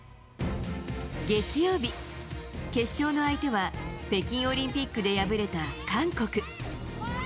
月曜日、決勝の相手は、北京オリンピックで敗れた韓国。